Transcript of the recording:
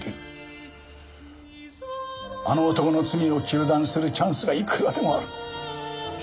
あの男の罪を糾弾するチャンスがいくらでもある。